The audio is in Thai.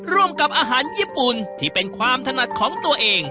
ร่วมกับอาหารญี่ปุ่นที่เป็นความถนัดของตัวเอง